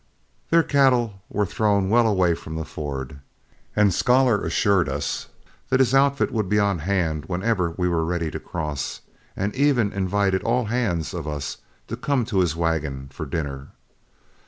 Their cattle were thrown well away from the ford, and Scholar assured us that his outfit would be on hand whenever we were ready to cross, and even invited all hands of us to come to his wagon for dinner.